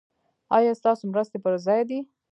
ایا ستاسو مرستې پر ځای دي؟